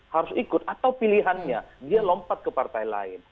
harus ikut atau pilihannya dia lompat ke partai lain